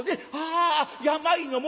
あ病の元。